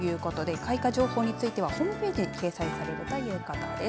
開花情報についてはホームページで掲載されるということです。